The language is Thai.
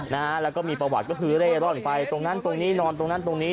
นะฮะแล้วก็มีประวัติก็คือเร่ร่อนไปตรงนั้นตรงนี้นอนตรงนั้นตรงนี้